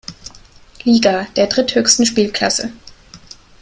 Liga, der dritthöchsten Spielklasse.